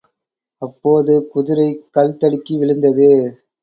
அப்போதுகுதிரை கல் தடுக்கி விழுந்தது.